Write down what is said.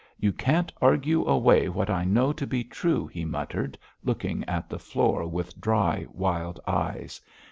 'You can't argue away what I know to be true,' he muttered, looking at the floor with dry, wild eyes.